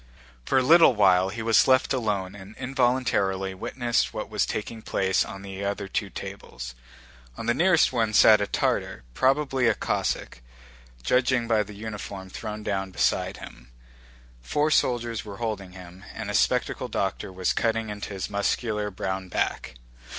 For a little while he was left alone and involuntarily witnessed what was taking place on the other two tables. On the nearest one sat a Tartar, probably a Cossack, judging by the uniform thrown down beside him. Four soldiers were holding him, and a spectacled doctor was cutting into his muscular brown back.